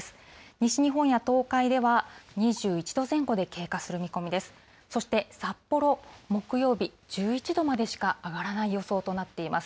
西日本や東海では２１度前後で経過する見込みです。